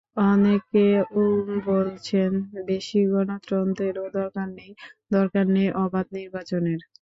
অনেকে এ-ও বলছেন, বেশি গণতন্ত্রেরও দরকার নেই, দরকার নেই অবাধ নির্বাচনের।